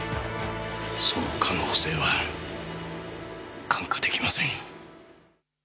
その可能性は看過出来ません。